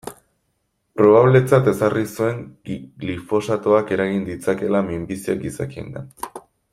Probabletzat ezarri zuen glifosatoak eragin ditzakeela minbiziak gizakiengan.